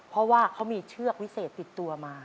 เพราะว่าเขามีเชือกวิเศษติดตัวมา